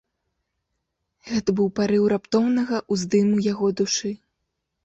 Гэта быў парыў раптоўнага ўздыму яго душы.